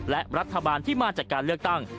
และรัฐบาลที่มาจากการเลือกตั้ง